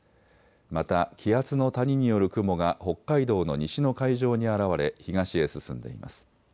また気圧の谷による雲が北海道の西の海上に現れ東へ進んでいます。